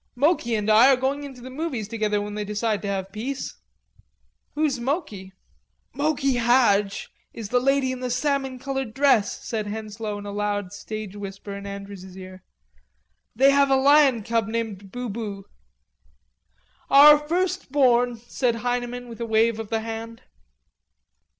Moki and I are going into the movies together when they decide to have peace." "Who's Moki?" "Moki Hadj is the lady in the salmon colored dress," said Henslowe, in a loud stage whisper in Andrews's ear. "They have a lion cub named Bubu." "Our first born," said Heineman with a wave of the hand.